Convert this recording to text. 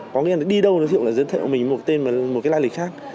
có nghĩa là đi đâu đối tượng lại giới thiệu mình một tên là một cái lai lịch khác